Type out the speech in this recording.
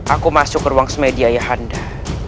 aku masuk ke ruang semedia yahanda